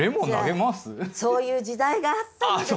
そういう時代があったんです。